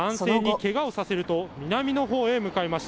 けがをさせると南のほうへ向かいました。